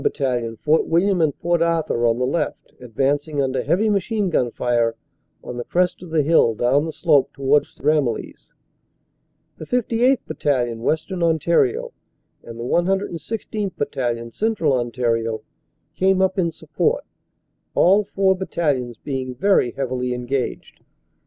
Battalion, Fort William and Port Arthur, on the left, advancing under heavy machine gun fire on the crest of the hill down the slope towards Ramillies. The 58th. Battalion, Western Ontario, and the 1 16th. Battalion, Central Ontario, came up in support, all four battalions being very heavily engaged.